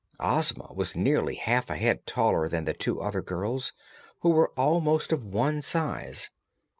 Ozma was nearly half a head taller than the two other girls, who were almost of one size.